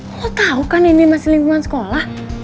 lo tau kan ini masih lingkungan sekolah